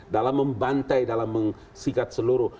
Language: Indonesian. dalam membantai dalam mensikat seluruh